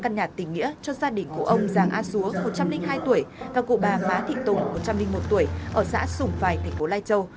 căn nhà tình nghĩa cho gia đình của ông giàng a dúa một trăm linh hai tuổi và cụ bà má thị tùng một trăm linh một tuổi ở xã sùng phài tp lai châu